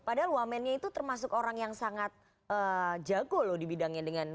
padahal wamennya itu termasuk orang yang sangat jago loh di bidangnya dengan